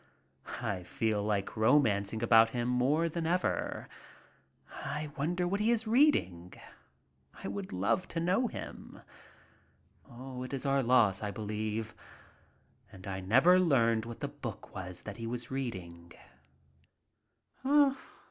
I feel like romancing about him more than ever. I wonder what he is reading? I would love to know him. It is our loss, I believe. And I never learned what the book was that he was reading.